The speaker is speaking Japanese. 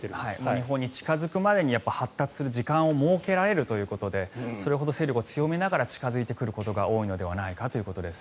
日本に近付くまでに発達する時間を設けられるということでそれほど勢力を強めながら近付くことが多いのではということです。